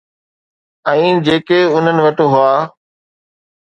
۽ جيڪي انهن وٽ هئا.